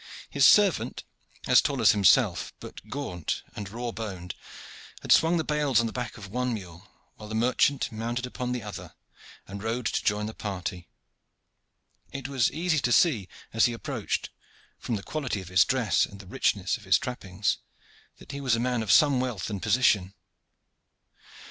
His servant, as tall as himself, but gaunt and raw boned, had swung the bales on the back of one mule, while the merchant mounted upon the other and rode to join the party. It was easy to see, as he approached, from the quality of his dress and the richness of his trappings, that he was a man of some wealth and position.